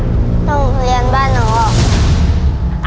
โรงเรียนบ้านหนองออก